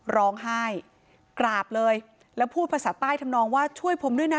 ร้องไห้กราบเลยแล้วพูดภาษาใต้ทำนองว่าช่วยผมด้วยนะ